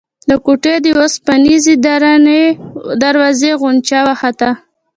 د کوټې د اوسپنيزې درنې دروازې غنجا وخته.